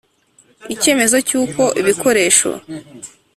Icyemezo cy uko ibikoresho